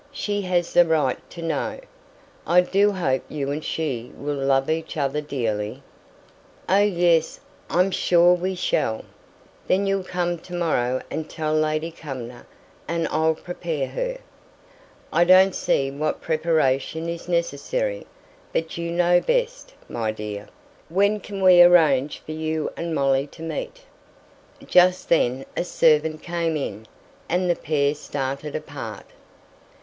She has the right to know. I do hope you and she will love each other dearly." "Oh, yes! I'm sure we shall. Then you'll come to morrow and tell Lady Cumnor? And I'll prepare her." "I don't see what preparation is necessary; but you know best, my dear. When can we arrange for you and Molly to meet?" Just then a servant came in, and the pair started apart.